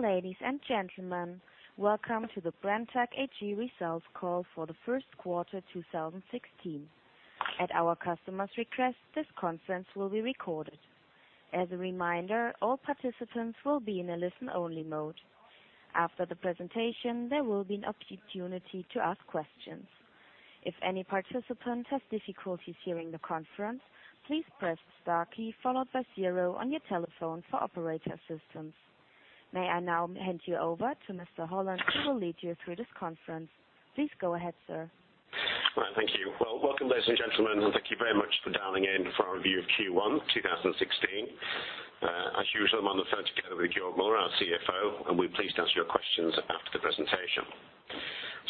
Dear ladies and gentlemen, welcome to the Brenntag AG results call for the first quarter 2016. At our customer's request, this conference will be recorded. As a reminder, all participants will be in a listen-only mode. After the presentation, there will be an opportunity to ask questions. If any participant has difficulties hearing the conference, please press * followed by zero on your telephone for operator assistance. May I now hand you over to Mr. Holland, who will lead you through this conference. Please go ahead, sir. Right. Thank you. Well, welcome, ladies and gentlemen, and thank you very much for dialing in for our review of Q1 2016. I am on the phone together with Georg Müller, our CFO, and we are pleased to answer your questions after the presentation.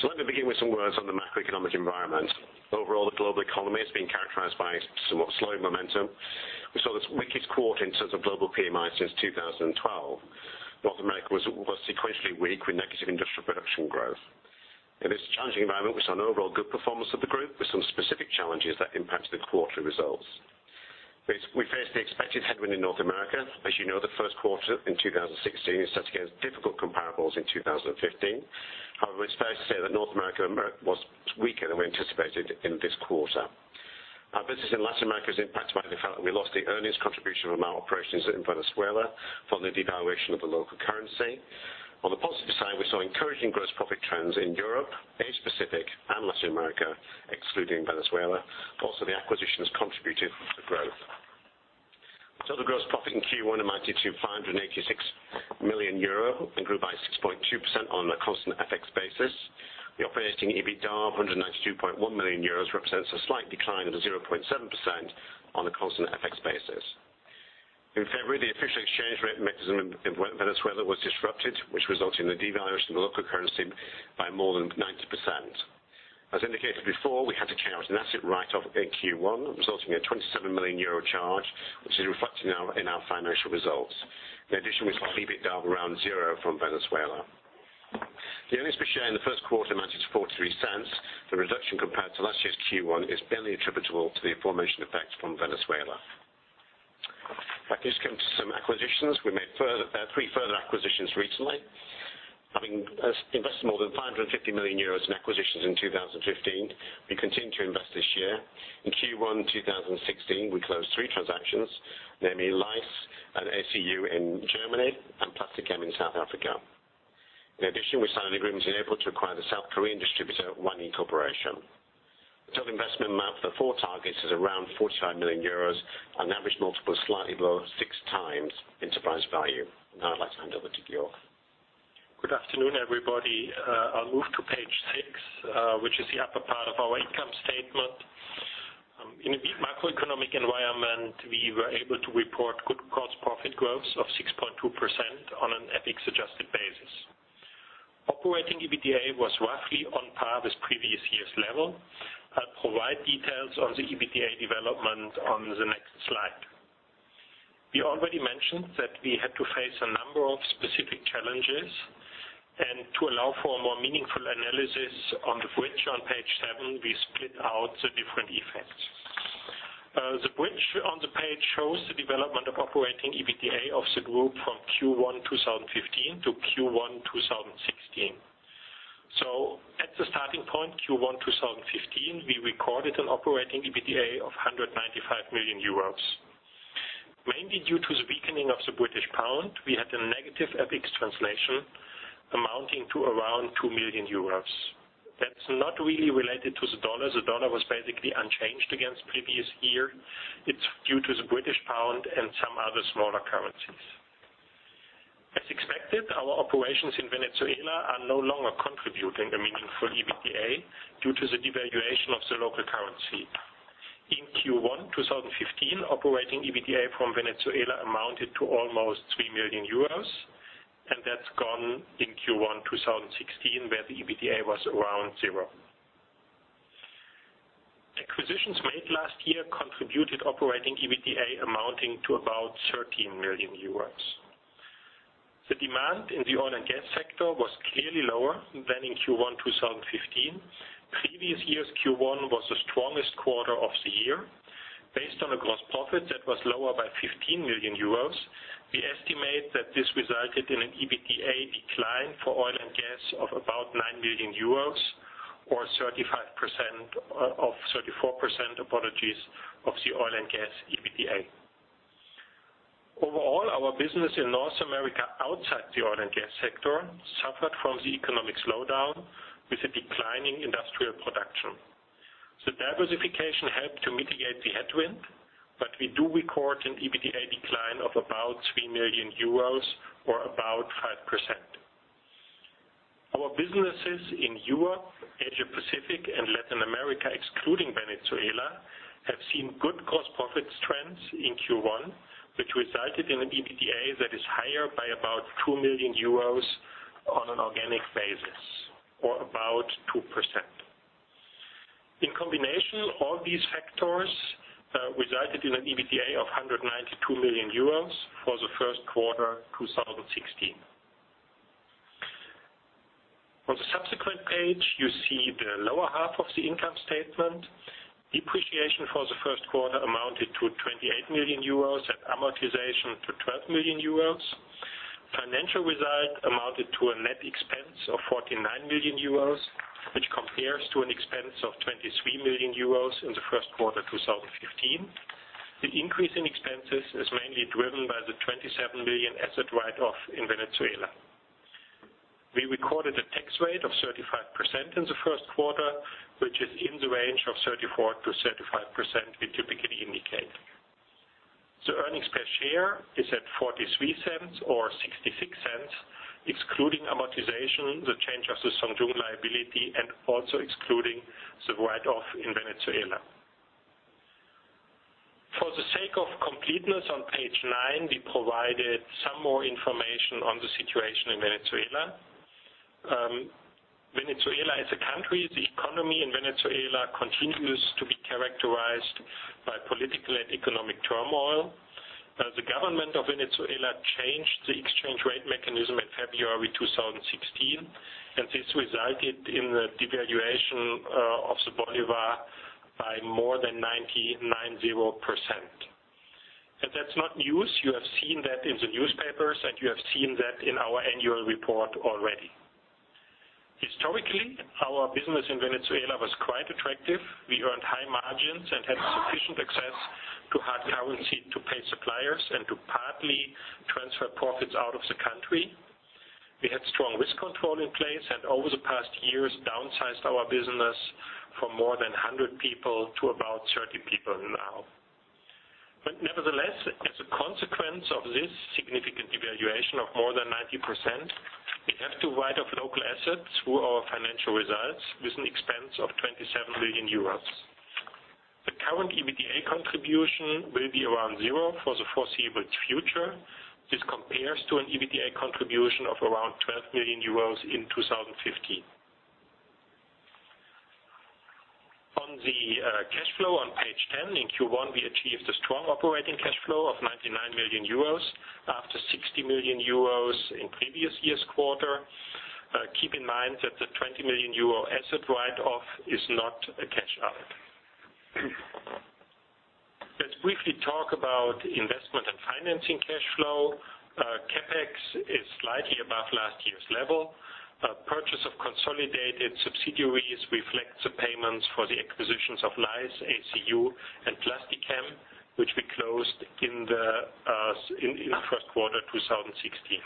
Let me begin with some words on the macroeconomic environment. Overall, the global economy has been characterized by somewhat slowing momentum. We saw this weakest quarter in terms of global PMI since 2012. North America was sequentially weak with negative industrial production growth. In this challenging environment, we saw an overall good performance of the group with some specific challenges that impacted the quarterly results. We faced the expected headwind in North America. As you know, the first quarter in 2016 is set against difficult comparables in 2015. However, it is fair to say that North America was weaker than we anticipated in this quarter. Our business in Latin America is impacted by the fact that we lost the earnings contribution from our operations in Venezuela from the devaluation of the local currency. On the positive side, we saw encouraging gross profit trends in Europe, Asia Pacific, and Latin America, excluding Venezuela. Also, the acquisitions contributed to growth. Total gross profit in Q1 amounted to 586 million euro and grew by 6.2% on a constant FX basis. The operating EBITDA of 192.1 million euros represents a slight decline of 0.7% on a constant FX basis. In February, the official exchange rate mechanism in Venezuela was disrupted, which resulted in the devaluation of the local currency by more than 90%. As indicated before, we had to carry out an asset write-off in Q1, resulting in a 27 million euro charge, which is reflected in our financial results. In addition, we saw EBITDA of around zero from Venezuela. The earnings per share in the first quarter amounted to 0.43. The reduction compared to last year's Q1 is mainly attributable to the aforementioned effect from Venezuela. If I can just come to some acquisitions. We made three further acquisitions recently. Having invested more than 550 million euros in acquisitions in 2015, we continue to invest this year. In Q1 2016, we closed three transactions, namely Leis and ACU in Germany and Plastichem in South Africa. In addition, we signed an agreement in April to acquire the South Korean distributor, Whanee Corporation. The total investment amount for the four targets is around 45 million euros on an average multiple slightly below six times enterprise value. Now I would like to hand over to Georg. Good afternoon, everybody. I'll move to page six, which is the upper part of our income statement. In a weak macroeconomic environment, we were able to report good gross profit growth of 6.2% on an FX-adjusted basis. Operating EBITDA was roughly on par with previous year's level. I provide details on the EBITDA development on the next slide. We already mentioned that we had to face a number of specific challenges and to allow for a more meaningful analysis on the bridge on page seven, we split out the different effects. The bridge on the page shows the development of operating EBITDA of the group from Q1 2015 to Q1 2016. At the starting point, Q1 2015, we recorded an operating EBITDA of 195 million euros. Mainly due to the weakening of the British pound, we had a negative FX translation amounting to around 2 million euros. That's not really related to the U.S. dollar. The U.S. dollar was basically unchanged against the previous year. It's due to the British pound and some other smaller currencies. As expected, our operations in Venezuela are no longer contributing a meaningful EBITDA due to the devaluation of the local currency. In Q1 2015, operating EBITDA from Venezuela amounted to almost 3 million euros, and that's gone in Q1 2016, where the EBITDA was around zero. Acquisitions made last year contributed operating EBITDA amounting to about 13 million euros. The demand in the oil & gas sector was clearly lower than in Q1 2015. Previous year's Q1 was the strongest quarter of the year. Based on a gross profit that was lower by 15 million euros, we estimate that this resulted in an EBITDA decline for oil & gas of about 9 million euros or 34% of the oil & gas EBITDA. Overall, our business in North America outside the oil & gas sector suffered from the economic slowdown with a decline in industrial production. The diversification helped to mitigate the headwind, but we do record an EBITDA decline of about 3 million euros or about 5%. Our businesses in Europe, Asia Pacific, and Latin America, excluding Venezuela, have seen good gross profit trends in Q1, which resulted in an EBITDA that is higher by about 2 million euros on an organic basis or about 2%. In combination, all these factors resulted in an EBITDA of 192 million euros for the first quarter 2016. Page, you see the lower half of the income statement. Depreciation for the first quarter amounted to 28 million euros and amortization to 12 million euros. Financial result amounted to a net expense of 49 million euros, which compares to an expense of 23 million euros in the first quarter 2015. The increase in expenses is mainly driven by the 27 million asset write-off in Venezuela. We recorded a tax rate of 35% in the first quarter, which is in the range of 34%-35% we typically indicate. Earnings per share is at 0.43 or 0.66, excluding amortization, the change of the Zhong Yung liability, and also excluding the write-off in Venezuela. For the sake of completeness, on page nine, we provided some more information on the situation in Venezuela. Venezuela is a country. The economy in Venezuela continues to be characterized by political and economic turmoil. The government of Venezuela changed the exchange rate mechanism in February 2016, and this resulted in the devaluation of the bolivar by more than 99.0%. That's not news. You have seen that in the newspapers, and you have seen that in our annual report already. Historically, our business in Venezuela was quite attractive. We earned high margins and had sufficient access to hard currency to pay suppliers and to partly transfer profits out of the country. We had strong risk control in place, and over the past years, downsized our business from more than 100 people to about 30 people now. Nevertheless, as a consequence of this significant devaluation of more than 90%, we have to write off local assets through our financial results with an expense of 27 million euros. The current EBITDA contribution will be around zero for the foreseeable future, which compares to an EBITDA contribution of around 12 million euros in 2015. On the cash flow on page 10, in Q1, we achieved a strong operating cash flow of 99 million euros after 60 million euros in previous year's quarter. Keep in mind that the 20 million euro asset write-off is not a cash out. Let's briefly talk about investment and financing cash flow. CapEx is slightly above last year's level. Purchase of consolidated subsidiaries reflect the payments for the acquisitions of Leis, ACU, and Plastichem, which we closed in the first quarter 2016.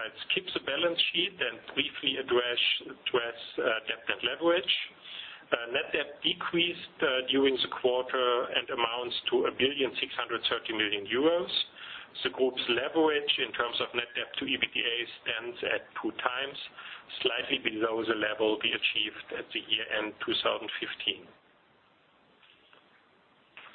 I'll skip the balance sheet and briefly address debt and leverage. Net debt decreased during the quarter and amounts to 1,630 million euros. The group's leverage in terms of net debt to EBITDA stands at two times, slightly below the level we achieved at the year-end 2015.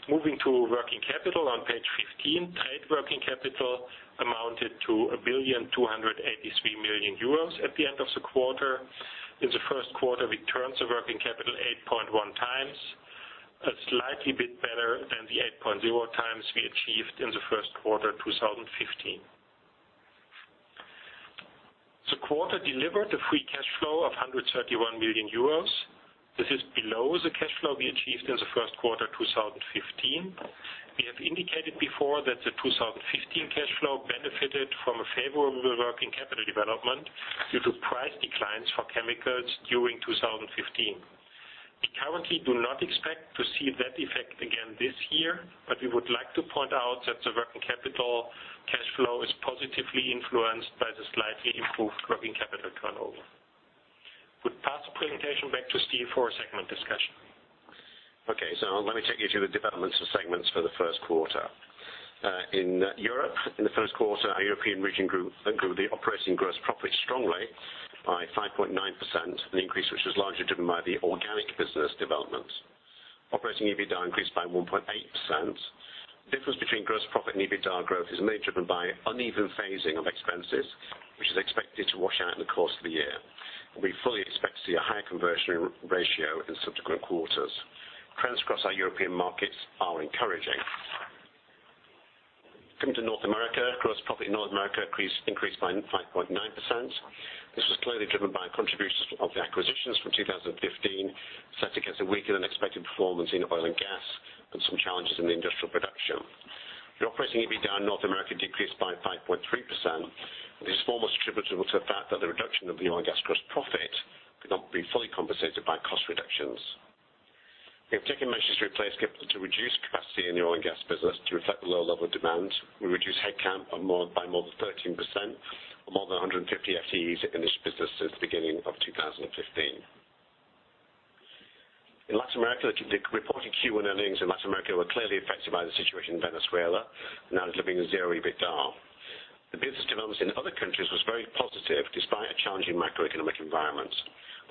Moving to working capital on page 15, trade working capital amounted to 1,283 million euros at the end of the quarter. In the first quarter, we turned the working capital 8.1 times, a slightly bit better than the 8.0 times we achieved in the first quarter 2015. The quarter delivered a free cash flow of 131 million euros. This is below the cash flow we achieved in the first quarter 2015. We have indicated before that the 2015 cash flow benefited from a favorable working capital development due to price declines for chemicals during 2015. We currently do not expect to see that effect again this year, we would like to point out that the working capital cash flow is positively influenced by the slightly improved working capital turnover. Would pass the presentation back to Steven for a segment discussion. Let me take you through the developments of segments for the first quarter. In Europe, in the first quarter, our European region grew the operating gross profit strongly by 5.9%, an increase which was largely driven by the organic business development. Operating EBITDA increased by 1.8%. The difference between gross profit and EBITDA growth is mainly driven by uneven phasing of expenses, which is expected to wash out in the course of the year. We fully expect to see a higher conversion ratio in subsequent quarters. Trends across our European markets are encouraging. Coming to North America, gross profit in North America increased by 5.9%. This was clearly driven by contributions of the acquisitions from 2015, set against a weaker-than-expected performance in oil and gas and some challenges in the industrial production. The operating EBITDA in North America decreased by 5.3%. This is almost attributable to the fact that the reduction of the oil and gas gross profit could not be fully compensated by cost reductions. We have taken measures to replace capital to reduce capacity in the oil and gas business to reflect the lower level of demand. We reduced headcount by more than 13%, or more than 150 FTEs in this business since the beginning of 2015. In Latin America, the reported Q1 earnings in Latin America were clearly affected by the situation in Venezuela, now delivering zero EBITDA. The business developments in other countries was very positive despite a challenging macroeconomic environment.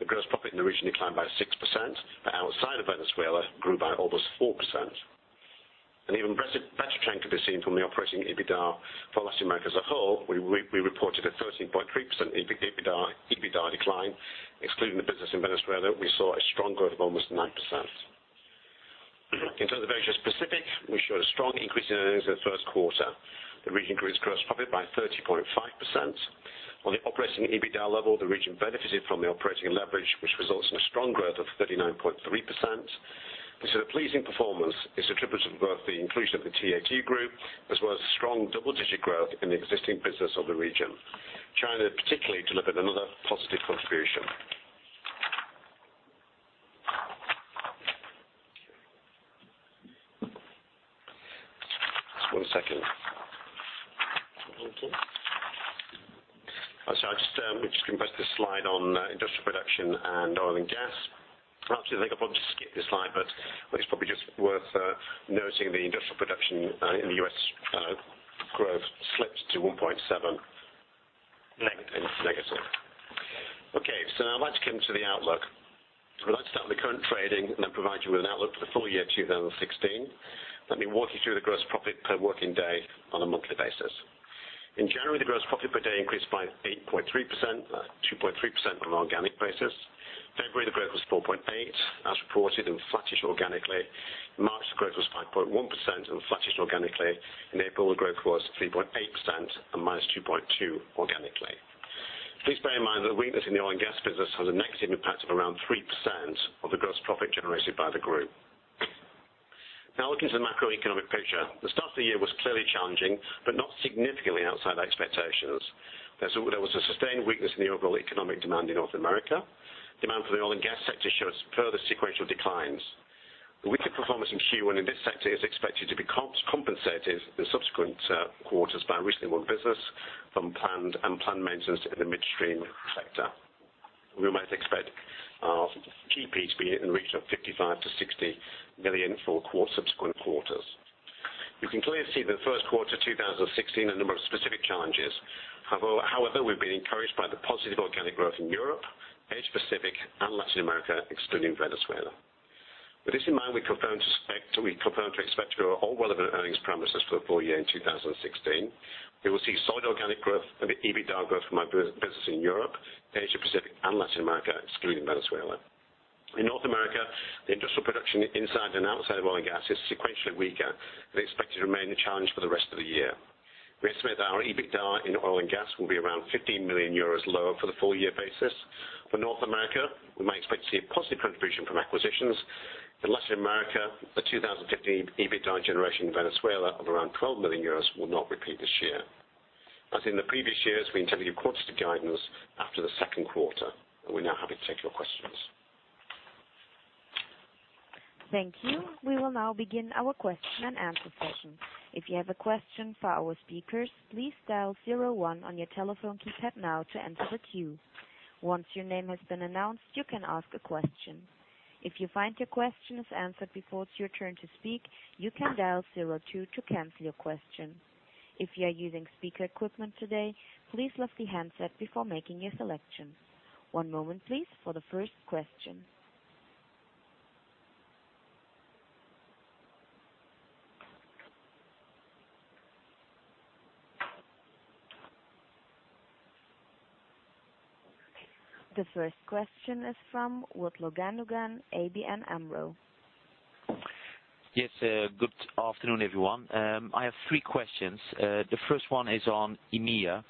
The gross profit in the region declined by 6%, but outside of Venezuela, grew by almost 4%. An even better trend can be seen from the operating EBITDA for Latin America as a whole. We reported a 13.3% in EBITDA decline. Excluding the business in Venezuela, we saw a strong growth of almost 9%. In terms of Asia-Pacific, we showed a strong increase in earnings in the first quarter. The region grew its gross profit by 30.5%. On the operating EBITDA level, the region benefited from the operating leverage, which results in a strong growth of 39.3%. This is a pleasing performance. It's attributable to both the inclusion of the TAT Group, as well as strong double-digit growth in the existing business of the region. China particularly delivered another positive contribution. Just one second. Thank you. Sorry, we've just compressed this slide on industrial production and oil and gas. Perhaps I think I'll probably just skip this slide, but it's probably just worth noting the industrial production in the U.S. growth slipped to 1.7%. Negative. Negative. Okay. Now I'd like to come to the outlook. I'd like to start with the current trading and then provide you with an outlook for the full year 2016. Let me walk you through the gross profit per working day on a monthly basis. In January, the gross profit per day increased by 8.3%, 2.3% on an organic basis. February, the growth was 4.8% as reported and flattish organically. March, the growth was 5.1% and flattish organically. In April, the growth was 3.8% and -2.2% organically. Please bear in mind that the weakness in the oil and gas business has a negative impact of around 3% of the gross profit generated by the group. Now, looking to the macroeconomic picture. The start of the year was clearly challenging, but not significantly outside our expectations. There was a sustained weakness in the overall economic demand in North America. Demand for the oil and gas sector showed further sequential declines. The weaker performance from Q1 in this sector is expected to be compensated in subsequent quarters by recently won business from planned and unplanned maintenance in the midstream sector. We might expect GP to be in the region of 55 million-60 million for subsequent quarters. You can clearly see that the first quarter 2016, a number of specific challenges. However, we've been encouraged by the positive organic growth in Europe, Asia Pacific and Latin America, excluding Venezuela. With this in mind, we confirm to expect our all relevant earnings parameters for the full year in 2016. We will see solid organic growth and the EBITDA growth from our business in Europe, Asia Pacific and Latin America, excluding Venezuela. In North America, the industrial production inside and outside of oil and gas is sequentially weaker and expected to remain a challenge for the rest of the year. We estimate that our EBITDA in oil and gas will be around 15 million euros lower for the full year basis. For North America, we might expect to see a positive contribution from acquisitions. In Latin America, the 2015 EBITDA generation in Venezuela of around 12 million euros will not repeat this year. As in the previous years, we intend to give quarterly guidance after the second quarter, and we're now happy to take your questions. Thank you. We will now begin our question and answer session. If you have a question for our speakers, please dial zero one on your telephone keypad now to enter the queue. Once your name has been announced, you can ask a question. If you find your question is answered before it's your turn to speak, you can dial zero two to cancel your question. If you are using speaker equipment today, please lift the handset before making your selection. One moment, please, for the first question. The first question is from Uth Loganugan, ABN AMRO. Yes. Good afternoon, everyone. I have three questions. The first one is on EMEA.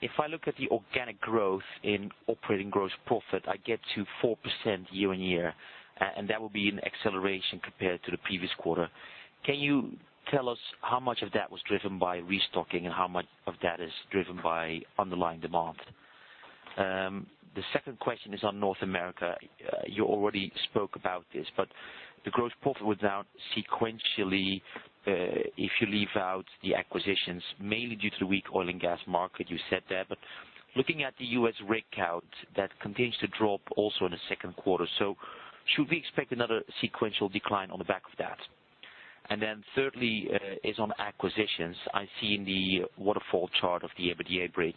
If I look at the organic growth in operating gross profit, I get to 4% year-over-year, and that will be an acceleration compared to the previous quarter. Can you tell us how much of that was driven by restocking and how much of that is driven by underlying demand? The second question is on North America. You already spoke about this, the gross profit was down sequentially, if you leave out the acquisitions, mainly due to the weak oil and gas market, you said there. Looking at the U.S. rig count, that continues to drop also in the second quarter. Should we expect another sequential decline on the back of that? Thirdly is on acquisitions. I see in the waterfall chart of the EBITDA bridge,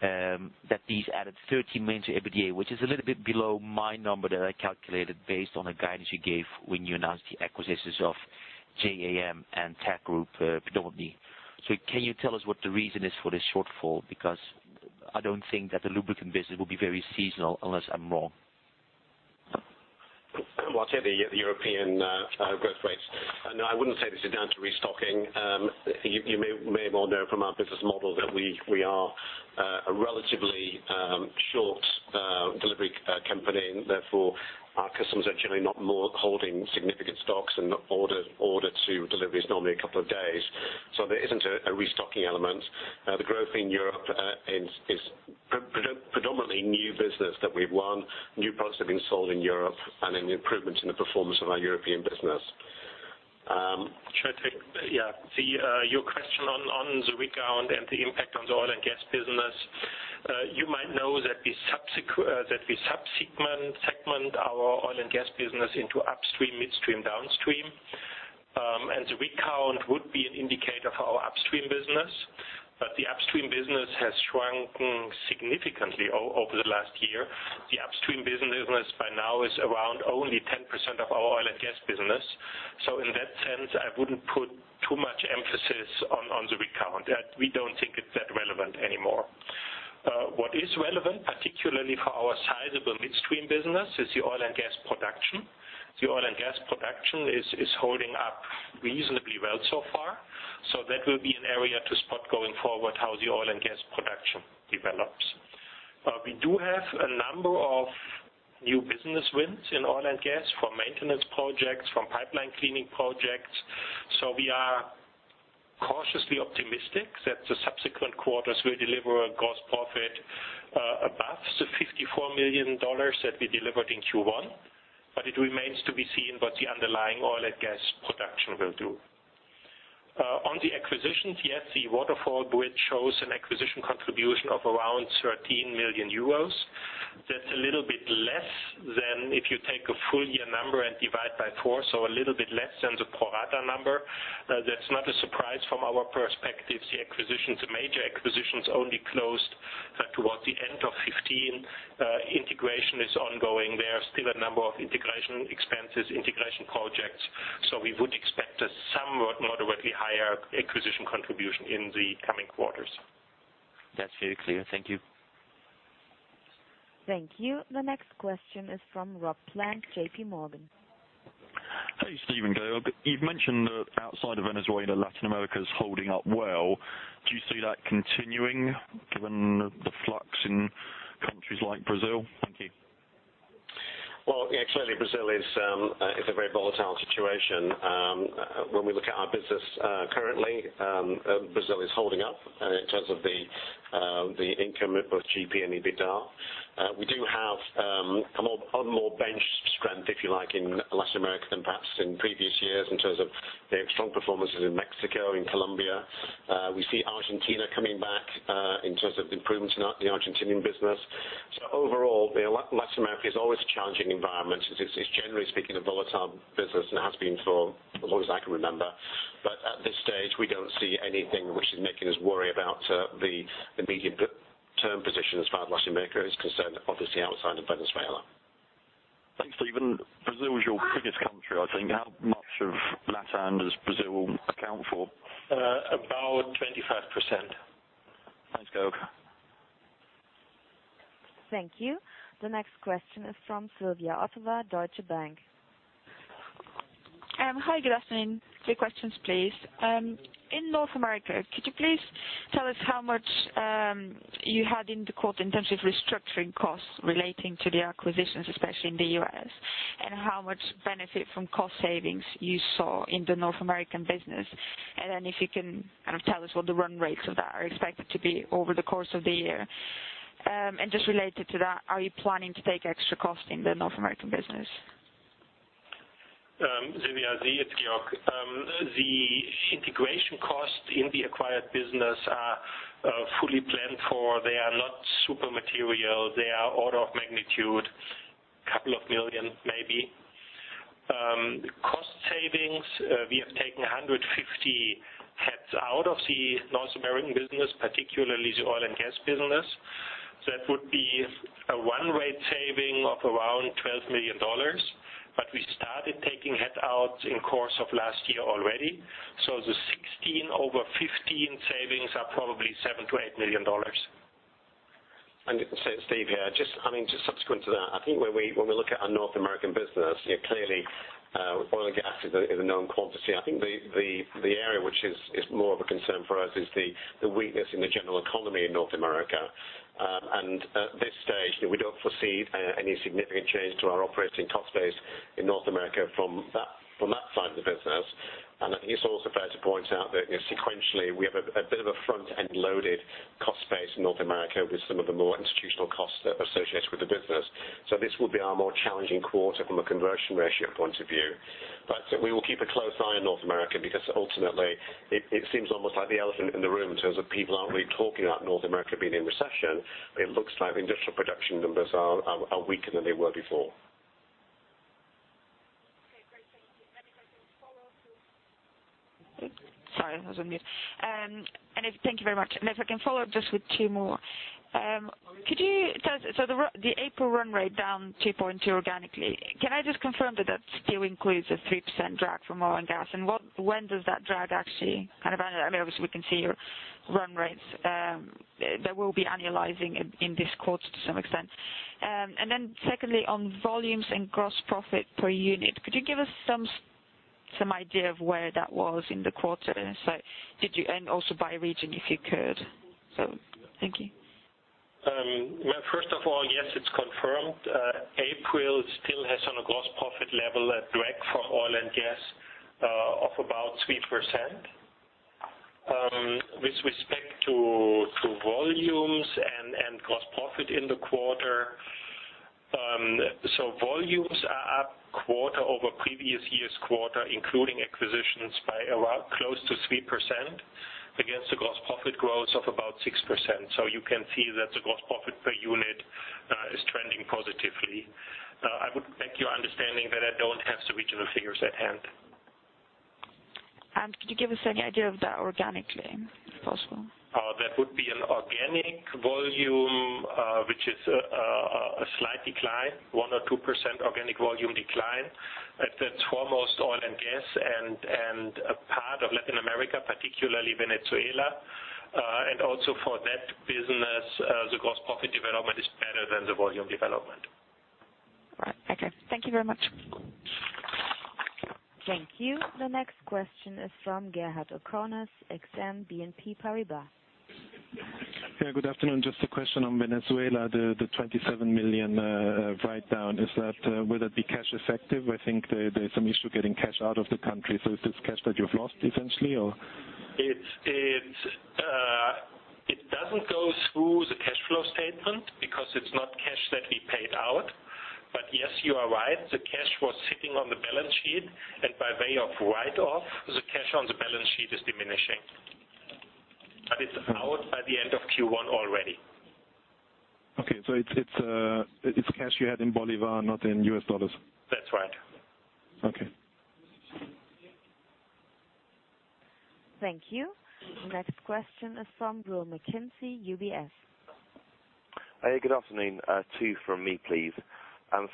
that these added 30 million to EBITDA, which is a little bit below my number that I calculated based on the guidance you gave when you announced the acquisitions of J.A.M. and TAT Group predominantly. Can you tell us what the reason is for this shortfall? Because I don't think that the lubricant business will be very seasonal unless I'm wrong. Well, I'll take the European growth rates. No, I wouldn't say this is down to restocking. You may well know from our business model that we are a relatively short delivery company, therefore our customers are generally not holding significant stocks and order to delivery is normally a couple of days. There isn't a restocking element. The growth in Europe is predominantly new business that we've won, new products that have been sold in Europe, and an improvement in the performance of our European business. Should I take Yeah. Your question on the rig count and the impact on the oil and gas business. You might know that we sub-segment our oil and gas business into upstream, midstream, downstream. The rig count would be an indicator for our upstream business. The upstream business has shrunken significantly over the last year. The upstream business by now is around only 10% of our oil and gas business. In that sense, I wouldn't put too much emphasis on the rig count. We don't think it's that relevant anymore. What is relevant, particularly for our sizable midstream business, is the oil and gas production. The oil and gas production is holding up reasonably well so far. That will be an area to spot going forward, how the oil and gas production develops. We do have a number of new business wins in oil and gas from maintenance projects, from pipeline cleaning projects. We are cautiously optimistic that the subsequent quarters will deliver a gross profit above the EUR 54 million that we delivered in Q1. It remains to be seen what the underlying oil and gas production will do. On the acquisitions, yes, the waterfall bridge shows an acquisition contribution of around 13 million euros. That's a little bit less than if you take a full year number and divide by four, a little bit less than the pro rata number. That's not a surprise from our perspective. The major acquisitions only closed towards the end of 2015. Integration is ongoing. There are still a number of integration expenses, integration projects. We would expect a somewhat moderately higher acquisition contribution in the coming quarters. That's very clear. Thank you. Thank you. The next question is from Rob Plant, JPMorgan. Hey, Steven and Georg. You've mentioned that outside of Venezuela, Latin America is holding up well. Do you see that continuing given the flux in countries like Brazil? Thank you. Well, yeah, clearly Brazil is a very volatile situation. When we look at our business currently, Brazil is holding up in terms of the income of both GP and EBITDA. We do have a lot more bench strength, if you like, in Latin America than perhaps in previous years in terms of strong performances in Mexico, in Colombia. We see Argentina coming back in terms of improvements in the Argentinian business. Overall, Latin America is always a challenging environment. It's generally speaking, a volatile business, and has been for as long as I can remember. At this stage, we don't see anything which is making us worry about the immediate term position as far as Latin America is concerned, obviously outside of Venezuela. Thanks, Steven. Brazil is your biggest country, I think. How much of LatAm does Brazil account for? About 25%. Thanks, Georg. Thank you. The next question is from Sylvia Autter, Deutsche Bank. Hi, good afternoon. Three questions, please. In North America, could you please tell us how much you had in the quarter in terms of restructuring costs relating to the acquisitions, especially in the U.S.? How much benefit from cost savings you saw in the North American business? If you can tell us what the run rates of that are expected to be over the course of the year. Just related to that, are you planning to take extra cost in the North American business? Sylvia, it's Georg. The integration cost in the acquired business are fully planned for. They are not super material. They are order of magnitude, couple of million, maybe. Cost savings, we have taken 150 heads out of the North American business, particularly the oil and gas business. That would be a one-rate saving of around $12 million. We started taking head out in course of last year already. The 2016 over 2015 savings are probably $7 million-$8 million. Steve here. Just subsequent to that, I think when we look at our North American business, clearly, oil and gas is a known quantity. I think the area which is more of a concern for us is the weakness in the general economy in North America. At this stage, we don't foresee any significant change to our operating cost base in North America from that side of the business. I think it's also fair to point out that sequentially, we have a bit of a front-end loaded cost base in North America with some of the more institutional costs that are associated with the business. This will be our more challenging quarter from a conversion ratio point of view. We will keep a close eye on North America because ultimately, it seems almost like the elephant in the room in terms of people aren't really talking about North America being in recession. It looks like industrial production numbers are weaker than they were before. Okay, great. Thank you. Let me try to follow through. Sorry, I was on mute. Thank you very much. If I can follow up just with two more. The April run rate down 2.2% organically. Can I just confirm that still includes a 3% drag from oil and gas? When does that drag actually, obviously, we can see your run rates. They will be annualizing in this quarter to some extent. Then secondly, on volumes and gross profit per unit, could you give us some idea of where that was in the quarter? Also by region, if you could. Thank you. First of all, yes, it's confirmed. April still has on a gross profit level a drag for oil and gas of about 3%. With respect to volumes and gross profit in the quarter. Volumes are up quarter over previous year's quarter, including acquisitions by around close to 3% against the gross profit growth of about 6%. You can see that the gross profit per unit is trending positively. I would beg your understanding that I don't have the regional figures at hand. Could you give us any idea of that organically, if possible? That would be an organic volume Is a slight decline, 1% or 2% organic volume decline. That's foremost oil and gas and a part of Latin America, particularly Venezuela. Also for that business, the gross profit development is better than the volume development. Right. Okay. Thank you very much. Thank you. The next question is from Gerhard Orgonas, Exane BNP Paribas. Yeah, good afternoon. Just a question on Venezuela, the 27 million write-down. Will that be cash effective? I think there's some issue getting cash out of the country, is this cash that you've lost essentially? It doesn't go through the cash flow statement because it's not cash that we paid out. Yes, you are right. The cash was sitting on the balance sheet and by way of write-off, the cash on the balance sheet is diminishing. It's out by the end of Q1 already. Okay. It's cash you had in bolivar, not in US dollars. That's right. Okay. Thank you. The next question is from Will McKinsey, UBS. Hey, good afternoon. Two from me, please.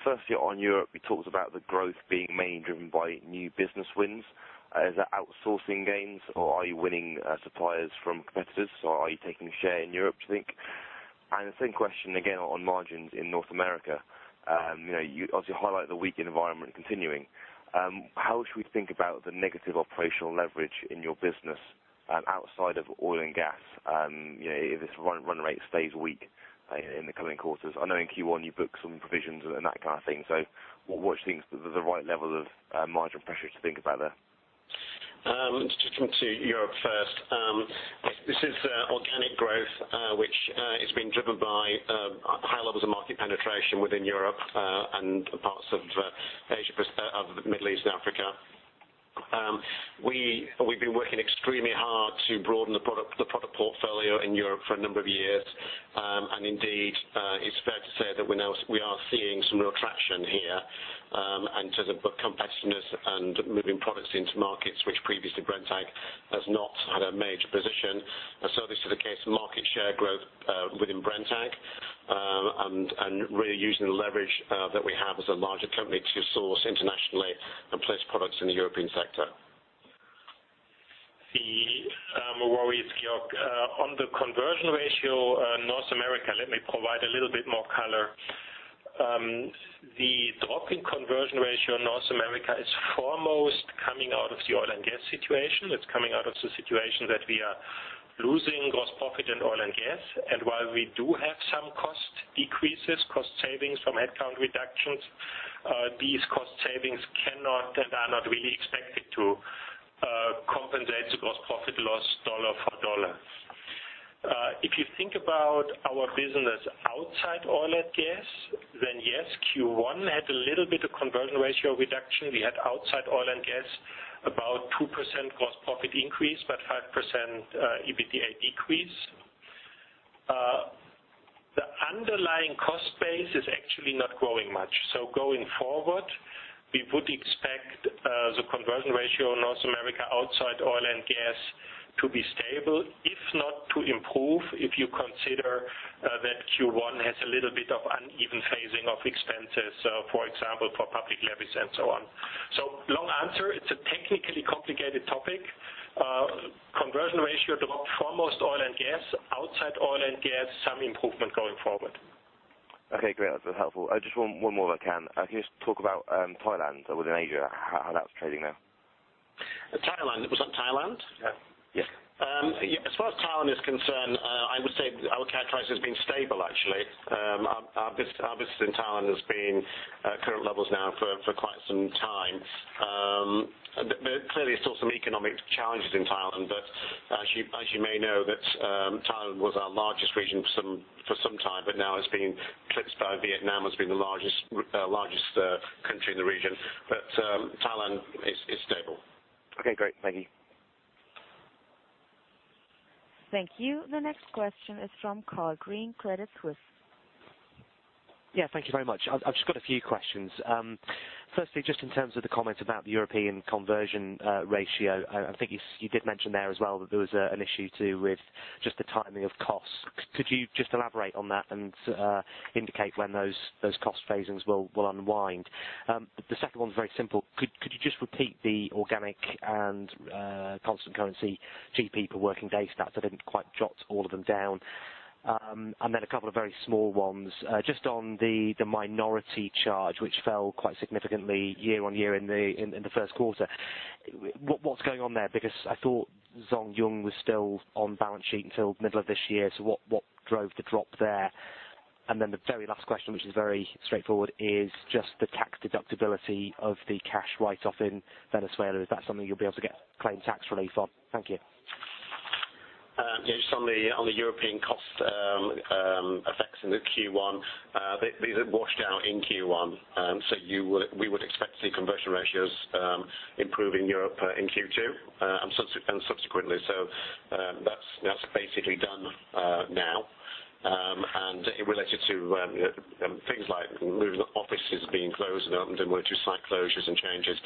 Firstly, on Europe, you talked about the growth being mainly driven by new business wins. Is that outsourcing gains or are you winning suppliers from competitors, so are you taking a share in Europe, do you think? The same question again on margins in North America. You obviously highlight the weak environment continuing. How should we think about the negative operational leverage in your business outside of oil and gas if this run rate stays weak in the coming quarters? I know in Q1 you booked some provisions and that kind of thing. What do you think is the right level of margin pressure to think about there? Just to come to Europe first. This is organic growth, which has been driven by high levels of market penetration within Europe, and parts of the Middle East and Africa. We've been working extremely hard to broaden the product portfolio in Europe for a number of years. Indeed, it's fair to say that we are seeing some real traction here in terms of competitiveness and moving products into markets which previously Brenntag has not had a major position. This is a case of market share growth within Brenntag, and really using the leverage that we have as a larger company to source internationally and place products in the European sector. The worry is, Georg, on the conversion ratio North America, let me provide a little bit more color. The drop in conversion ratio in North America is foremost coming out of the oil and gas situation. It's coming out of the situation that we are losing gross profit in oil and gas. While we do have some cost decreases, cost savings from headcount reductions, these cost savings cannot, and are not really expected to compensate the gross profit loss dollar for dollar. If you think about our business outside oil and gas, yes, Q1 had a little bit of conversion ratio reduction. We had outside oil and gas, about 2% gross profit increase, but 5% EBITDA decrease. The underlying cost base is actually not growing much. Going forward, we would expect the conversion ratio in North America outside oil and gas to be stable, if not to improve, if you consider that Q1 has a little bit of uneven phasing of expenses, for example, for public levies and so on. Long answer, it's a technically complicated topic. Conversion ratio drop, foremost oil and gas. Outside oil and gas, some improvement going forward. Okay, great. That's helpful. Just one more if I can. Can you just talk about Thailand within Asia, how that's trading now? Thailand. Was that Thailand? Yeah. As far as Thailand is concerned, I would say I would characterize it as being stable, actually. Our business in Thailand has been at current levels now for quite some time. Clearly, there's still some economic challenges in Thailand, but as you may know, Thailand was our largest region for some time, but now it's been eclipsed by Vietnam as being the largest country in the region. Thailand is stable. Okay, great. Thank you. Thank you. The next question is from Carl Raynsford, Credit Suisse. Thank you very much. I've just got a few questions. Firstly, just in terms of the comments about the European conversion ratio, I think you did mention there as well that there was an issue too with just the timing of costs. Could you just elaborate on that and indicate when those cost phasings will unwind? The second one is very simple. Could you just repeat the organic and constant currency GP per working day stats? I didn't quite jot all of them down. A couple of very small ones. Just on the minority charge, which fell quite significantly year-on-year in the first quarter. What's going on there? Because I thought Zhong Yung was still on balance sheet until middle of this year, what drove the drop there? The very last question, which is very straightforward, is just the tax deductibility of the cash write-off in Venezuela. Is that something you'll be able to claim tax relief on? Thank you. Just on the European cost effects into Q1. These are washed out in Q1. We would expect to see conversion ratios improve in Europe in Q2 and subsequently. That's basically done now. Closed in Upemba, we're two site closures and changes.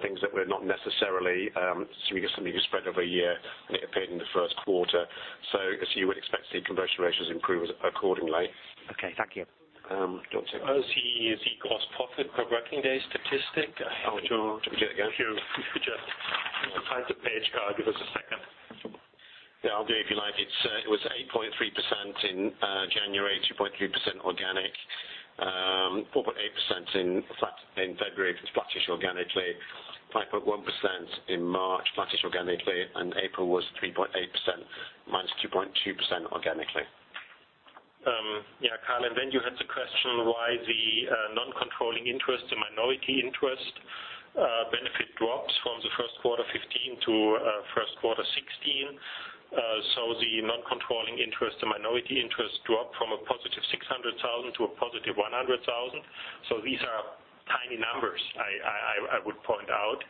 Things that were not necessarily, something you spread over a year, and it appeared in the first quarter. As you would expect, the conversion ratios improved accordingly. Okay. Thank you. Georg? Oh, see, is the gross profit per working day statistic. Do that again. If you could just type the page Carl, give us a second. Yeah, I'll do it if you like. It was 8.3% in January, 2.3% organic. 4.8% in February, it was flattish organically. 5.1% in March, flattish organically, and April was 3.8%, -2.2% organically. Carl, you had the question why the non-controlling interest to minority interest benefit drops from Q1 2015 to Q1 2016. The non-controlling interest to minority interest dropped from a positive 600,000 to a positive 100,000. These are tiny numbers, I would point out.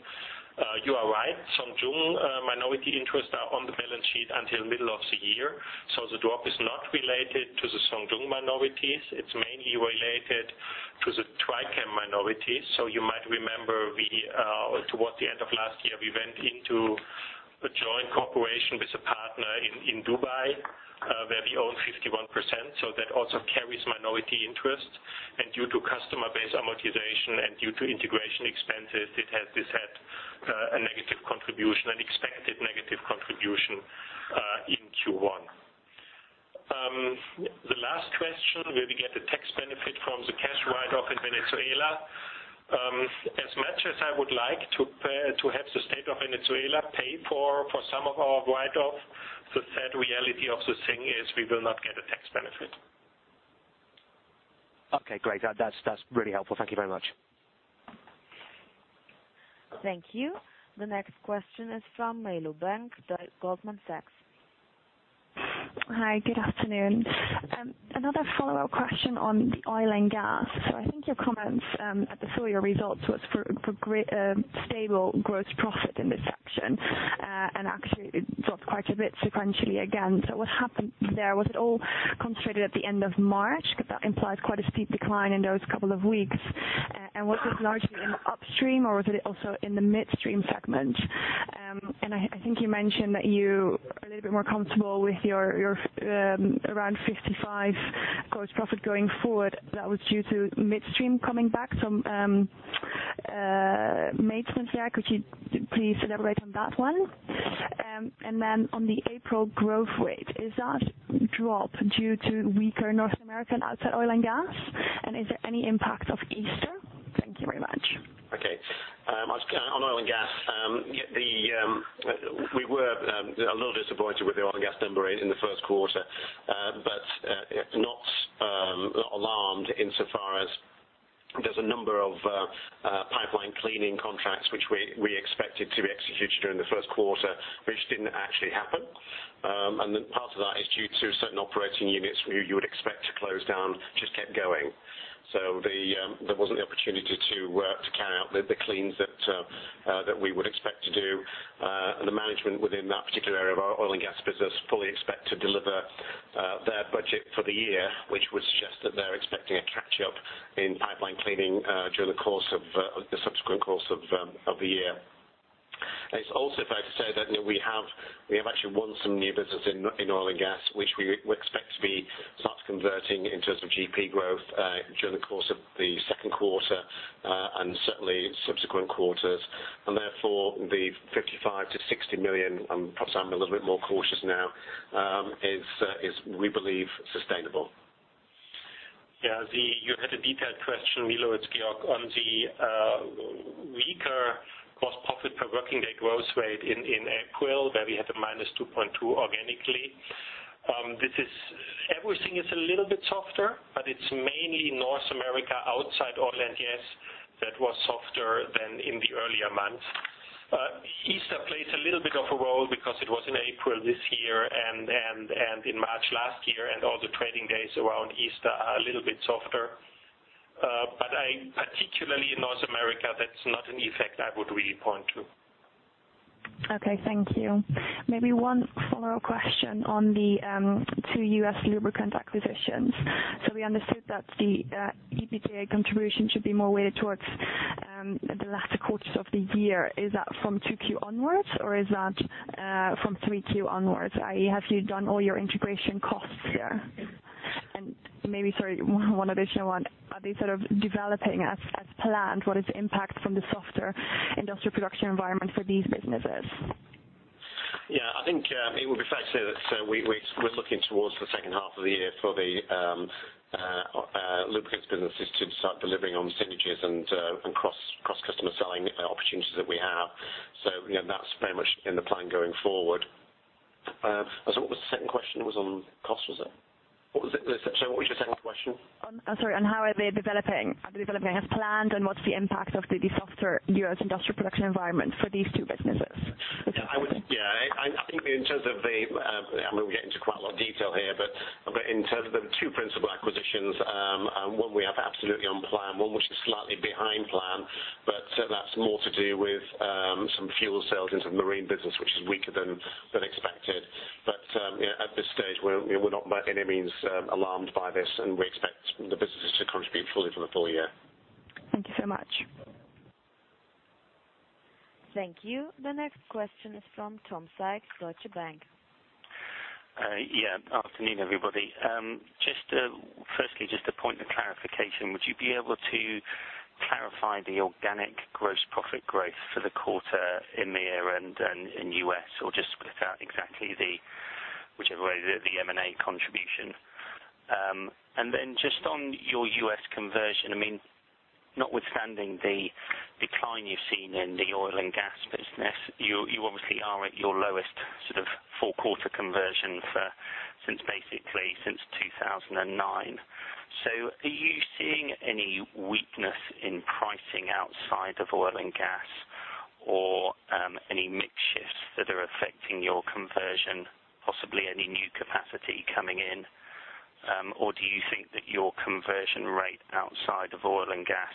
You are right. Zhong Yung minority interests are on the balance sheet until middle of the year. The drop is not related to the Zhong Yung minorities. It is mainly related to the Trychem minorities. You might remember towards the end of last year, we went into a joint cooperation with a partner in Dubai, where we own 51%, that also carries minority interest. Due to customer base amortization and due to integration expenses, it had a negative contribution, an expected negative contribution, in Q1. The last question, will we get the tax benefit from the cash write-off in Venezuela? As much as I would like to have the state of Venezuela pay for some of our write-off, the sad reality of the thing is we will not get a tax benefit. Great. That is really helpful. Thank you very much. Thank you. The next question is from Milou Bent of Goldman Sachs. Hi, good afternoon. Another follow-up question on the oil and gas. I think your comments at the full year results was for stable gross profit in this section. Actually, it dropped quite a bit sequentially again. What happened there? Was it all concentrated at the end of March? That implies quite a steep decline in those couple of weeks. Was this largely in upstream or was it also in the midstream segment? I think you mentioned that you are a little bit more comfortable with your around 55 gross profit going forward. That was due to midstream coming back from maintenance lag. Could you please elaborate on that one? On the April growth rate, is that drop due to weaker North American outside oil and gas? Is there any impact of Easter? Thank you very much. Okay. On oil and gas, we were a little disappointed with the oil and gas number in the first quarter, but not alarmed insofar as there's a number of pipeline cleaning contracts which we expected to be executed during the first quarter, which didn't actually happen. Part of that is due to certain operating units you would expect to close down just kept going. There wasn't the opportunity to carry out the cleans that we would expect to do. The management within that particular area of our oil and gas business fully expect to deliver their budget for the year, which would suggest that they're expecting a catch-up in pipeline cleaning during the subsequent course of the year. It's also fair to say that we have actually won some new business in oil and gas, which we expect to be start converting in terms of GP growth, during the course of the second quarter, and certainly subsequent quarters. The 55 million-60 million, perhaps I'm a little bit more cautious now, is we believe, sustainable. Yeah. You had a detailed question, Milou, it's Georg, on the weaker gross profit per working day growth rate in April, where we had a -2.2% organically. Everything is a little bit softer. It's mainly North America outside oil and gas that was softer than in the earlier months. Easter plays a little bit of a role because it was in April this year and in March last year, and all the trading days around Easter are a little bit softer. Particularly in North America, that's not an effect I would really point to. Okay. Thank you. Maybe one follow-up question on the two U.S. lubricant acquisitions. We understood that the EBITDA contribution should be more weighted towards the latter quarters of the year. Is that from 2Q onwards or is that from 3Q onwards? I.e., have you done all your integration costs there? Maybe, sorry, one additional one. Are they sort of developing as planned? What is the impact from the softer industrial production environment for these businesses? Yeah, I think it would be fair to say that we're looking towards the second half of the year for the lubricants businesses to start delivering on synergies and cross-customer selling opportunities that we have. That's very much in the plan going forward. What was the second question? It was on cost, was it? Sorry, what was your second question? Sorry, on how are they developing? Are they developing as planned, what's the impact of the softer U.S. industrial production environment for these two businesses? Yeah. I think, I mean, we get into quite a lot of detail here, but in terms of the two principal acquisitions, one we have absolutely on plan, one which is slightly behind. That's more to do with some fuel sales into the marine business, which is weaker than expected. At this stage, we're not by any means alarmed by this, and we expect the businesses to contribute fully for the full year. Thank you so much. Thank you. The next question is from Tom Sykes, Deutsche Bank. Yeah. Afternoon, everybody. Firstly, just a point of clarification. Would you be able to clarify the organic gross profit growth for the quarter in EMEA and in U.S., or just without exactly the, whichever way, the M&A contribution? Then just on your U.S. conversion, notwithstanding the decline you've seen in the oil and gas business, you obviously are at your lowest sort of four-quarter conversion since basically since 2009. Are you seeing any weakness in pricing outside of oil and gas or any mix shifts that are affecting your conversion, possibly any new capacity coming in? Do you think that your conversion rate outside of oil and gas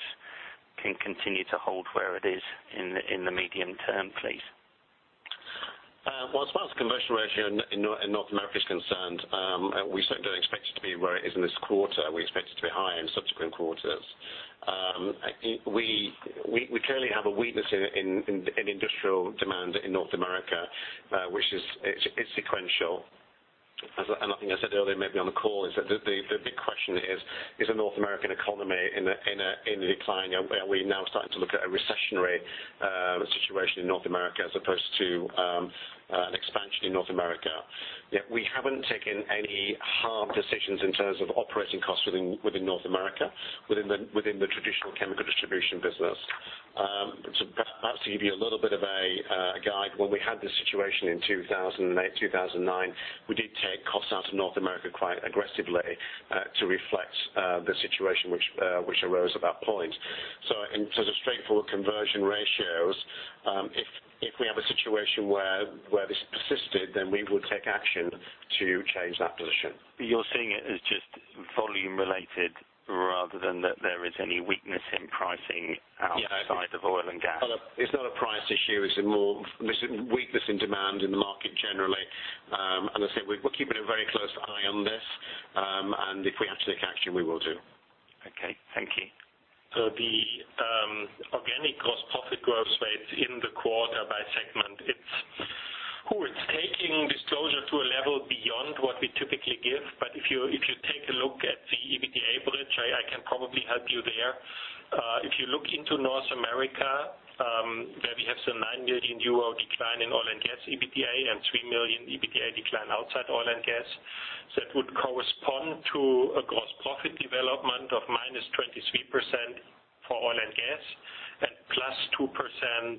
can continue to hold where it is in the medium term, please? Well, as far as the conversion ratio in North America is concerned, we certainly don't expect it to be where it is in this quarter. We expect it to be higher in subsequent quarters. We clearly have a weakness in industrial demand in North America, which is sequential. I think I said earlier maybe on the call, is that the big question is the North American economy in decline? Are we now starting to look at a recessionary situation in North America as opposed to an expansion in North America? We haven't taken any hard decisions in terms of operating costs within North America, within the traditional chemical distribution business. Perhaps to give you a little bit of a guide, when we had this situation in 2008, 2009, we did take costs out of North America quite aggressively to reflect the situation which arose at that point. In terms of straightforward conversion ratios, if we have a situation where this persisted, we would take action to change that position. You're seeing it as just volume related rather than that there is any weakness in pricing- Yeah Outside of oil and gas. It's not a price issue, it's a more weakness in demand in the market generally. As I said, we're keeping a very close eye on this, and if we have to take action, we will do. Okay. Thank you. The organic gross profit growth rates in the quarter by segment, it's taking disclosure to a level beyond what we typically give. If you take a look at the EBITDA bridge, I can probably help you there. If you look into North America, where we have some 9 million euro decline in oil and gas EBITDA and 3 million EBITDA decline outside oil and gas, it would correspond to a gross profit development of -23% for oil and gas and +2%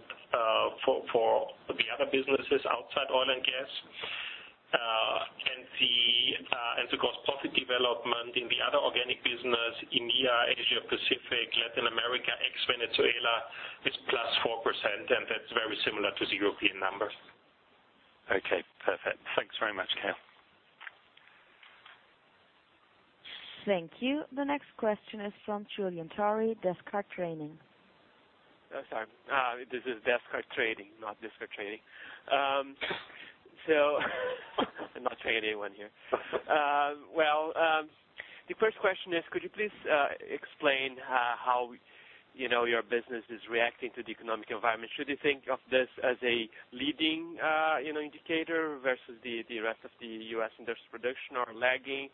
for the other businesses outside oil and gas. The gross profit development in the other organic business, EMEA, Asia-Pacific, Latin America, ex-Venezuela, is +4%, and that's very similar to the European numbers. Okay. Perfect. Thanks very much. Thank you. The next question is from Julian Torresi, Descartes Trading. Oh, sorry. This is Descart Trading, not Descart Training. I'm not training anyone here. The first question is, could you please explain how your business is reacting to the economic environment? Should you think of this as a leading indicator versus the rest of the U.S. industrial production or lagging,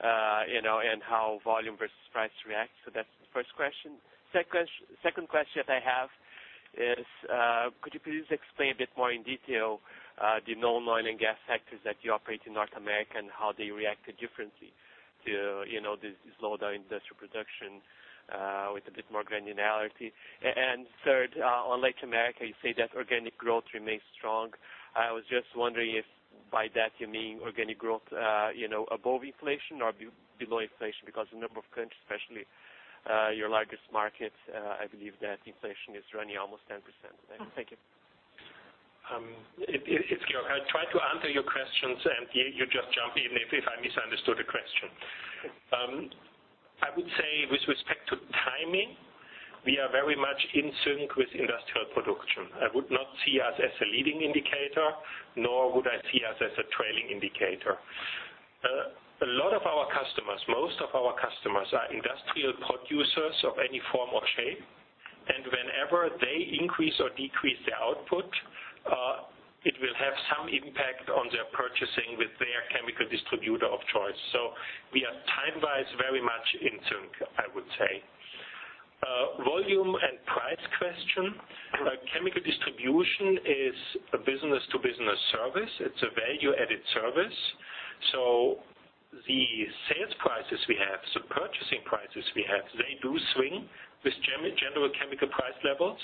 and how volume versus price reacts? That's the first question. Second question that I have is, could you please explain a bit more in detail the non-oil and gas sectors that you operate in North America and how they react differently to this slowdown in industrial production with a bit more granularity? Third, on Latin America, you say that organic growth remains strong. I was just wondering if by that you mean organic growth above inflation or below inflation, because a number of countries, especially your largest markets, I believe that inflation is running almost 10%. Thank you. I'll try to answer your questions, and you just jump in if I misunderstood a question. I would say with respect to timing, we are very much in sync with industrial production. I would not see us as a leading indicator, nor would I see us as a trailing indicator. A lot of our customers, most of our customers are industrial producers of any form or shape, whenever they increase or decrease their output, it will have some impact on their purchasing with their chemical distributor of choice. We are time-wise very much in sync, I would say. Volume and price question. Chemical distribution is a business-to-business service. It's a value-added service. The sales prices we have, the purchasing prices we have, they do swing with general chemical price levels.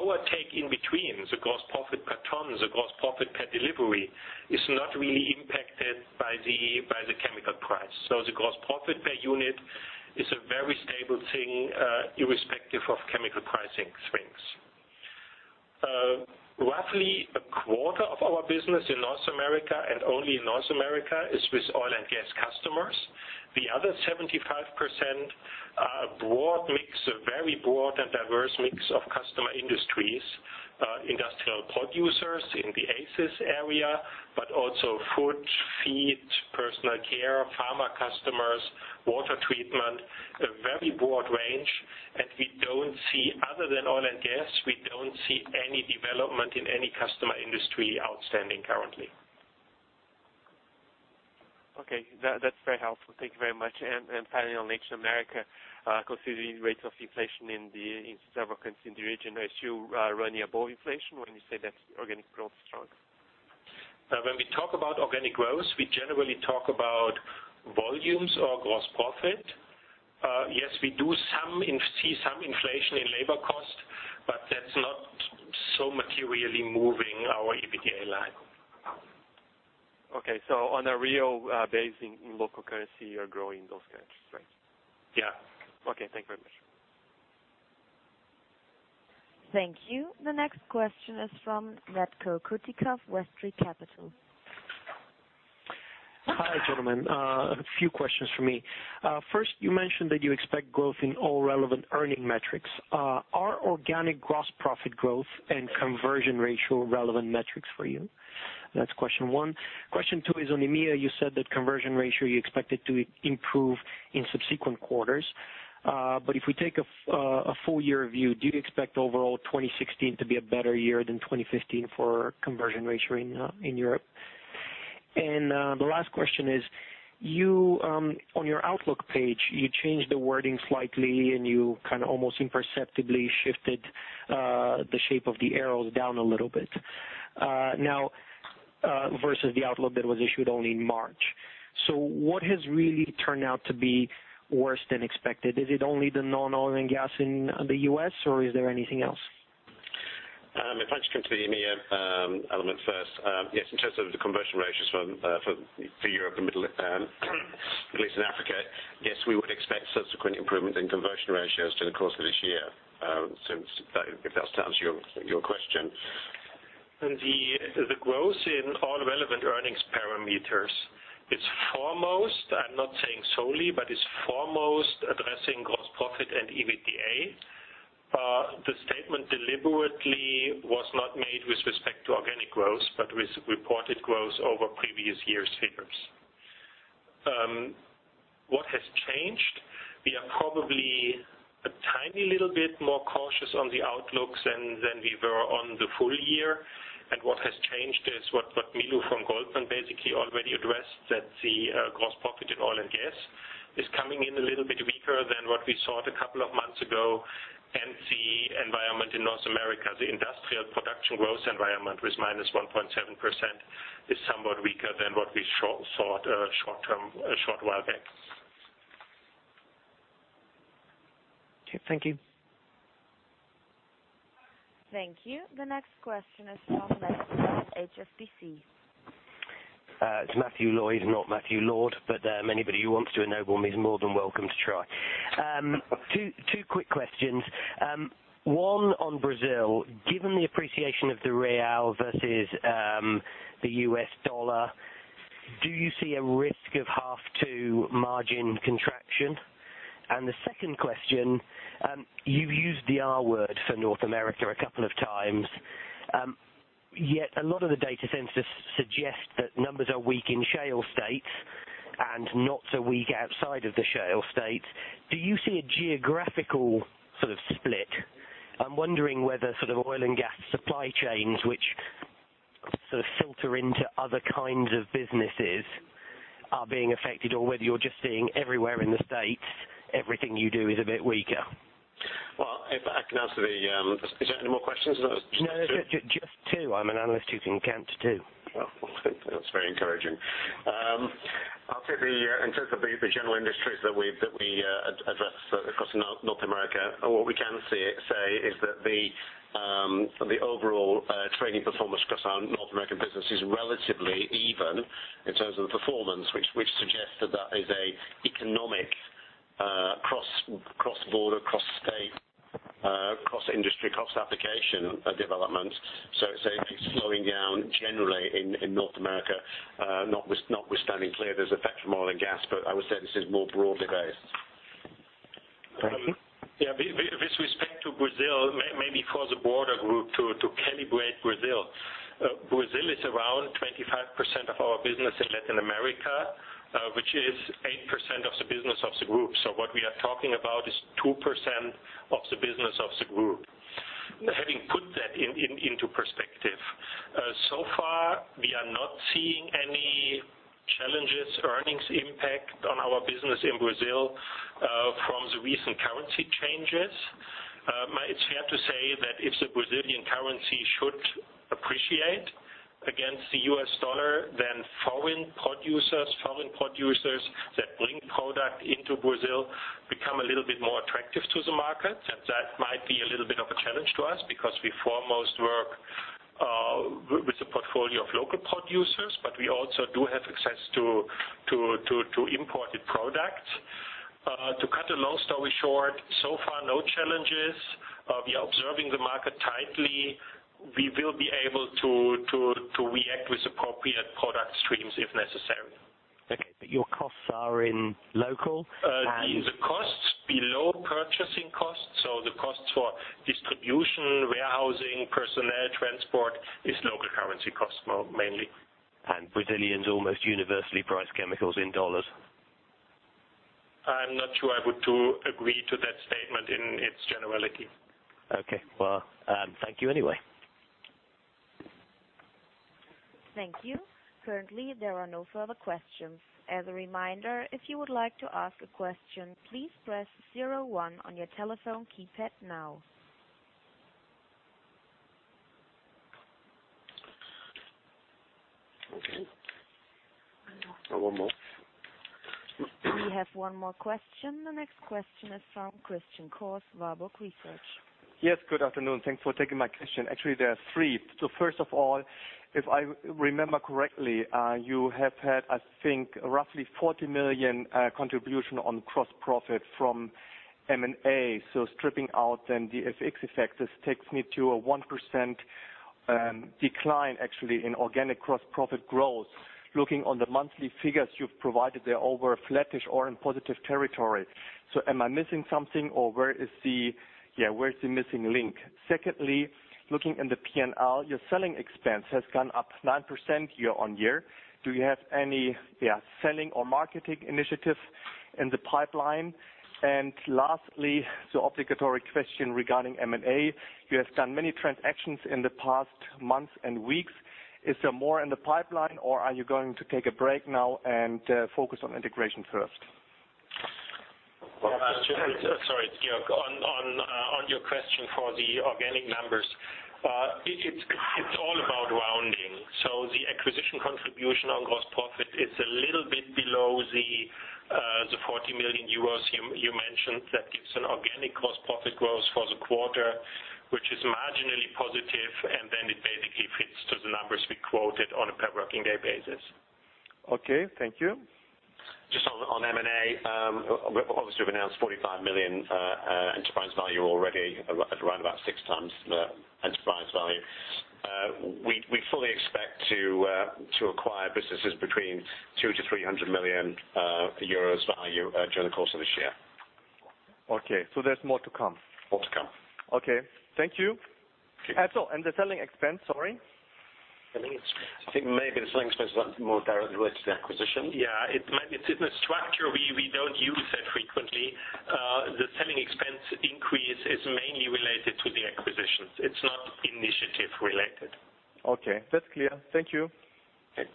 Our take in between, the gross profit per ton, the gross profit per delivery, is not really impacted by the chemical price. The gross profit per unit is a very stable thing, irrespective of chemical pricing swings. Roughly a quarter of our business in North America and only in North America is with oil and gas customers. The other 75% are a broad mix, a very broad and diverse mix of customer industries, industrial producers in the ACES area, also food, feed, personal care, pharma customers, water treatment, a very broad range. Other than oil and gas, we don't see any development in any customer industry outstanding currently. Okay. That's very helpful. Thank you very much. Finally, on North America, considering rates of inflation in several countries in the region, as you run your core inflation when you say that organic growth is strong. When we talk about organic growth, we generally talk about volumes or gross profit. Yes, we do see some inflation in labor cost, but that's not so materially moving our EBITDA line. Okay. On a real basis in local currency, you're growing those countries, right? Yeah. Okay. Thank you very much. Thank you. The next question is from Chetan Parkhi of Westry Capital. Hi, gentlemen. A few questions from me. First, you mentioned that you expect growth in all relevant earnings metrics. Are organic gross profit growth and conversion ratio relevant metrics for you? That's question one. Question two is on EMEA. You said that conversion ratio, you expect it to improve in subsequent quarters. If we take a full-year view, do you expect overall 2016 to be a better year than 2015 for conversion ratio in Europe? The last question is, on your outlook page, you changed the wording slightly, and you kind of almost imperceptibly shifted the shape of the arrows down a little bit. Now, versus the outlook that was issued only in March. What has really turned out to be worse than expected? Is it only the non-oil and gas in the U.S., or is there anything else? If I can come to the EMEA element first. Yes, in terms of the conversion ratios for Europe and Middle East and Africa, yes, we would expect subsequent improvement in conversion ratios through the course of this year. If that answers your question. The growth in all relevant earnings parameters is foremost, I'm not saying solely, but is foremost addressing gross profit and EBITDA. The statement deliberately was not made with respect to organic growth, but with reported growth over previous years' figures. What has changed? We are probably a tiny little bit more cautious on the outlooks than we were on the full year. What has changed is what Milou from Goldman basically already addressed, that the gross profit in oil and gas is coming in a little bit weaker than what we saw it a couple of months ago. The environment in North America, the industrial production growth environment with -1.7%, is somewhat weaker than what we saw a short while back. Okay, thank you. Thank you. The next question is from Matthew at HSBC. It's Matthew Lloyd, not Matthew Lloyd, Anybody who wants to ennoble me is more than welcome to try. Two quick questions. One on Brazil, given the appreciation of the real versus the U.S. dollar, do you see a risk of half two margin contraction? The second question, you've used the R word for North America a couple of times, yet a lot of the data centers suggest that numbers are weak in shale states and not so weak outside of the shale states. Do you see a geographical sort of split? I'm wondering whether oil and gas supply chains, which sort of filter into other kinds of businesses are being affected, or whether you're just seeing everywhere in the States, everything you do is a bit weaker. Well, if I can answer. Is there any more questions or was that just two? No, just two. I'm an analyst who can count to two. Well, that's very encouraging. I'll say in terms of the general industries that we address across North America, what we can say is that the overall trading performance across our North American business is relatively even in terms of the performance, which suggests that is an economic cross-border, cross-state, cross-industry, cross-application development. It's slowing down generally in North America, notwithstanding clear there's effect from oil and gas, but I would say this is more broadly based. Yeah. With respect to Brazil, maybe for the broader group to calibrate Brazil. Brazil is around 25% of our business in Latin America, which is 8% of the business of the group. What we are talking about is 2% of the business of the group. Having put that into perspective, so far, we are not seeing any challenges, earnings impact on our business in Brazil, from the recent currency changes. It's fair to say that if the Brazilian currency should appreciate against the US dollar, then foreign producers that bring product into Brazil become a little bit more attractive to the market, and that might be a little bit of a challenge to us because we foremost were portfolio of local producers, but we also do have access to imported products. To cut a long story short, so far, no challenges. We are observing the market tightly. We will be able to react with appropriate product streams if necessary. Okay. Your costs are in local. The costs below purchasing costs, so the costs for distribution, warehousing, personnel, transport, is local currency costs mainly. Brazilians almost universally price chemicals in dollars. I'm not sure I would agree to that statement in its generality. Okay. Well, thank you anyway. Thank you. Currently, there are no further questions. As a reminder, if you would like to ask a question, please press zero one on your telephone keypad now. Okay. One more. We have one more question. The next question is from Christian Koch, Warburg Research. Yes, good afternoon. Thanks for taking my question. Actually, there are three. First of all, if I remember correctly, you have had, I think, roughly 40 million contribution on gross profit from M&A. Stripping out the FX effect, this takes me to a 1% decline actually in organic gross profit growth. Looking on the monthly figures you've provided, they're over flattish or in positive territory. Am I missing something or where is the missing link? Secondly, looking in the P&L, your selling expense has gone up 9% year-on-year. Do you have any selling or marketing initiatives in the pipeline? Lastly, the obligatory question regarding M&A. You have done many transactions in the past months and weeks. Is there more in the pipeline, or are you going to take a break now and focus on integration first? Sorry, Georg. On your question for the organic numbers, it's all about rounding. The acquisition contribution on gross profit is a little bit below the 40 million euros you mentioned. That gives an organic gross profit growth for the quarter, which is marginally positive, and it basically fits to the numbers we quoted on a per working day basis. Okay, thank you. Just on M&A, obviously, we've announced 45 million enterprise value already at around about six times the enterprise value. We fully expect to acquire businesses between 200 million to 300 million euros value during the course of this year. Okay, there's more to come. More to come. Okay. Thank you. Okay. The selling expense, sorry. I think maybe the selling expense is more directly related to the acquisition. Yeah. It's in a structure we don't use that frequently. The selling expense increase is mainly related to the acquisitions. It's not initiative related. Okay, that's clear. Thank you. Thanks.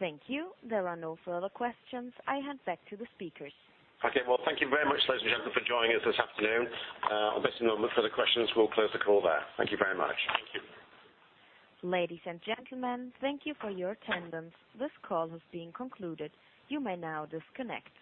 Thank you. There are no further questions. I hand back to the speakers. Okay. Well, thank you very much, ladies and gentlemen, for joining us this afternoon. Obvious no more further questions, we'll close the call there. Thank you very much. Thank you. Ladies and gentlemen, thank you for your attendance. This call has been concluded. You may now disconnect.